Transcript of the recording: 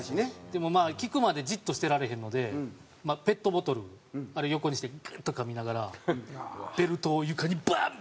でもまあ効くまでジッとしてられへんのでペットボトルあれ横にしてグッ！っとかみながらベルトを床にバン！